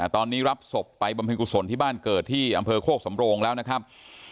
ตอนนี้รับศพไปบำเพ็ญกุศลที่บ้านเกิดที่อำเภอโคกสำโรงแล้วนะครับ